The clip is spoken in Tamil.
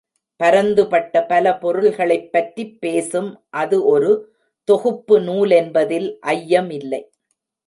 பரந்து பட்ட பல பொருள்களைப் பற்றிப் பேசும் அது ஒரு தொகுப்பு நூலென்பதில் ஐயமில்லை.